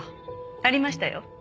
ありましたよ。